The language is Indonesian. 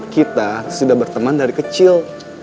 kita sudah berteman dari kecil